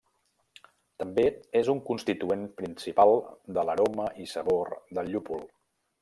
També és un constituent principal de l'aroma i sabor del llúpol.